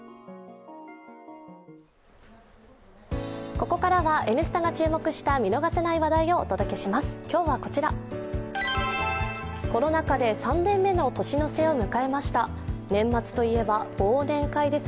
ここからは、「Ｎスタ」が注目した見逃せない話題をお届けします。